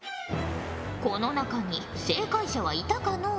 この中に正解者はいたかのう？